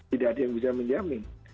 tidak ada yang bisa menjamin